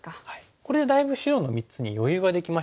これでだいぶ白の３つに余裕ができましたよね。